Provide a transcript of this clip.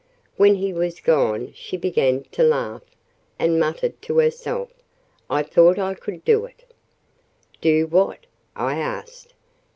When he was gone she began to laugh, and muttered to herself, "I thought I could do it!" "Do what?" I asked.